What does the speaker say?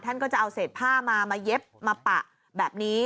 ท่านก็จะเอาเศษผ้ามามาเย็บมาปะแบบนี้